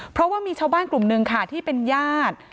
เพราะว่ามีชาวบ้านกลุ่มหนึ่งค่ะที่เป็นญาติ